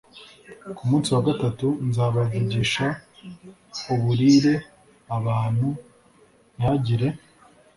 Ku munsi wa gatatu nzabavugisha uburire abantu ntihagire